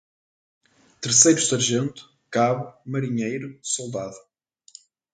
Terceiro-Sargento, Cabo, Marinheiro, Soldado